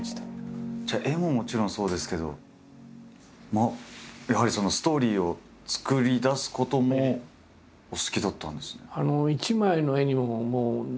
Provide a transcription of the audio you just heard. じゃあ絵ももちろんそうですけどやはりストーリーを作り出すこともお好きだったんですね。